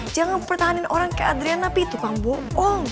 jangan pertahanin orang kayak adriana pi tukang bohong